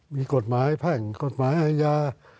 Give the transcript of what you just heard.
มีกฎหมายแพ่งกฎหมายอาญา